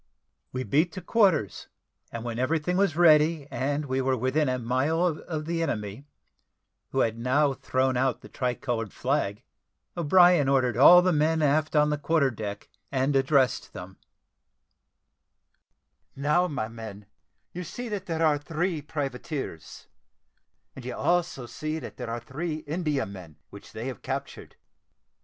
We beat to quarters, and when everything was ready, and we were within a mile of the enemy, who had now thrown out the tricoloured flag, O'Brien ordered all the men aft on the quarter deck, and addressed them: "Now, my men, you see that there are three privateers, and you also see that there are three Indiamen, which they have captured.